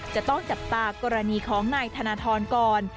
จะต้องจับตากรณีของนายธนทรก่อน